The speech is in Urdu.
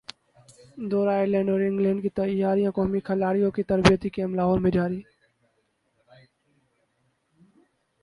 دورہ ائرلینڈ اور انگلینڈ کی تیاریاںقومی کھلاڑیوں کا تربیتی کیمپ لاہور میں جاری